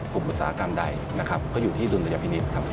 อุตสาหกรรมใดนะครับก็อยู่ที่ดุลยพินิษฐ์ครับ